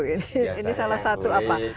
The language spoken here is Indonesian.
biasanya kulit ini salah satu apa